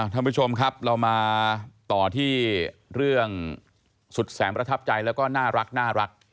ท่านผู้ชมครับเรามาต่อที่เรื่องสุดแสนประทับใจแล้วก็น่ารัก